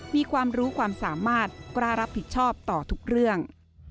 มีความรู้ความสามารถกล้ารับผิดชอบต่อทุกเรื่อง